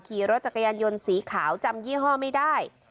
ขี่รถจักรยานยนต์สีขาวจำยี่ห้อไม่ได้